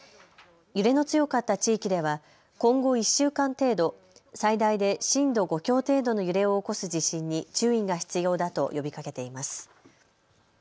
揺れの強かった地域では今後１週間程度、最大で震度５強程度の揺れを起こす地震に注意が必要だと呼びかけています。